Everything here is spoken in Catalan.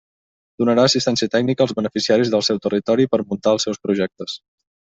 Donarà assistència tècnica als beneficiaris del seu territori per muntar els seus projectes.